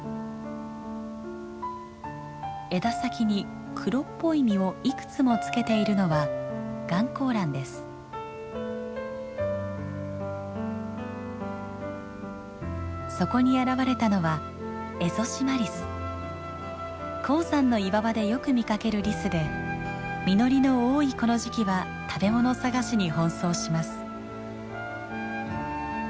枝先に黒っぽい実をいくつもつけているのはそこに現れたのは高山の岩場でよく見かけるリスで実りの多いこの時期は食べ物探しに奔走します。